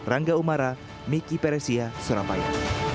rangga umara miki peresia surabaya